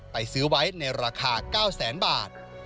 ไปซื้อไว้ในราคา๙๐๐๐๐๐บาท